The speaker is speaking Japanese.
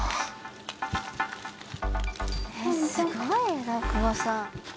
すごい枝久保さん。